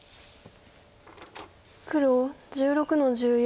黒１６の十四。